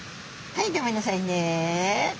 はいギョめんなさいね。